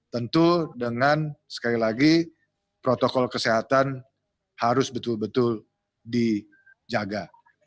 tentu dengan sekali lagi protokol kesehatan harus betul betul dijaga